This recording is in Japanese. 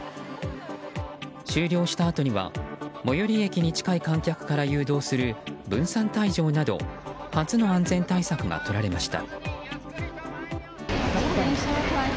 終了したあとには最寄り駅に近い観客から誘導する分散退場など初の安全対策がとられました。